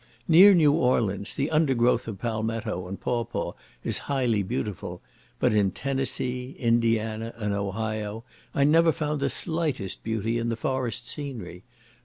Near New Orleans the undergrowth of Palmetto and pawpaw is highly beautiful, but in Tennessee, Indiana, and Ohio, I never found the slightest beauty in the forest scenery.